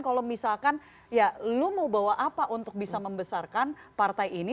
kalau misalkan ya lu mau bawa apa untuk bisa membesarkan partai ini